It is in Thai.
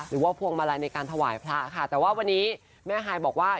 พวงมาลัยในการถวายพระค่ะแต่ว่าวันนี้แม่ฮายบอกว่า